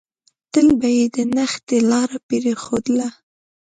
تل به يې د نښتې لاره پرېښودله.